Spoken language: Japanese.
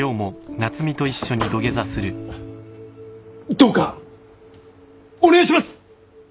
どうかお願いします！